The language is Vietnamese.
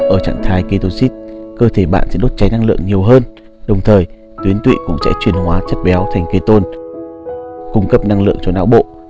ở trạng thái ketoxid cơ thể bạn sẽ đốt cháy năng lượng nhiều hơn đồng thời tuyến tụy cũng sẽ truyền hóa chất béo thành ketone cung cấp năng lượng cho não bộ